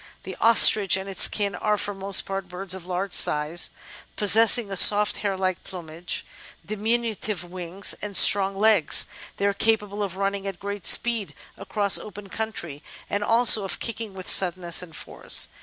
The Ostrich and its kin are for the most part birds of large size, pos sessing a soft, hair like plumage, diminutive wings, and strong legs; they are capable of running at great speed across open country, and also of kicking with suddenness and force.